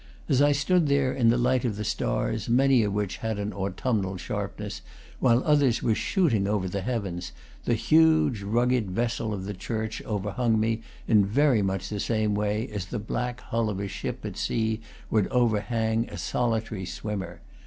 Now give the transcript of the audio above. As I stood there in the light of the stars, many of which had an autumnal sharpness, while others were shooting over the heavens, the huge, rugged vessel of the church overhung me in very much the same way as the black hull of a ship at sea would overhang a solitary swimmer.